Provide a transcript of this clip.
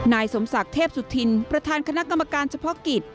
นายสมศักดิ์เทพสุธินประธานคณะกรรมการเฉพาะกิจ